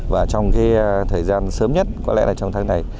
và trong cái thời gian sớm nhất có lẽ là trong tháng này